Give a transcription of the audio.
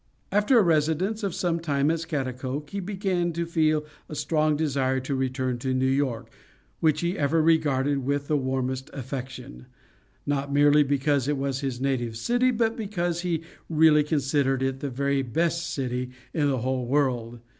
After a residence of some time at Scaghtikoke, he began to feel a strong desire to return to New York, which he ever regarded with the warmest affection; not merely because it was his native city, but because he really considered it the very best city in the whole world.